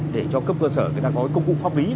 để cho cấp cơ sở có công cụ pháp lý